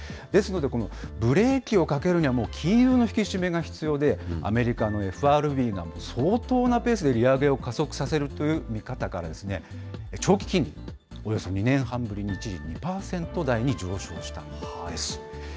ですので、このブレーキをかけるには、もう金融の引き締めが必要で、アメリカのＦＲＢなんて、相当なペースで利上げを加速させるという見方から、長期金利、およそ２年半ぶりに一時２％台に上昇したんです。